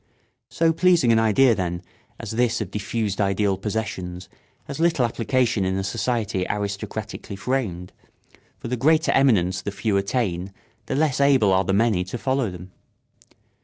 So pleasing an idea, then, as this of diffused ideal possessions has little application in a society aristocratically framed; for the greater eminence the few attain the less able are the many to follow them.